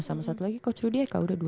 sama satu lagi coach rudi eka udah dua